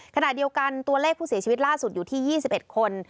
ขณะเดียวกันตัวเลขผู้เสียชีวิตล่าสุดอยู่ที่๒๑คน